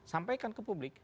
sampaikan ke publik